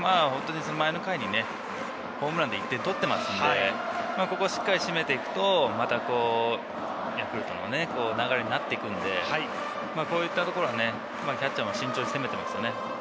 前の回にホームランで１点とってますんで、ここはしっかり締めていくと、またヤクルトの流れになってくるんで、こういったところはキャッチャーも慎重に攻めていますよね。